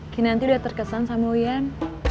kinanti udah terkesan sama yan